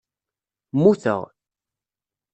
Mmuteɣ.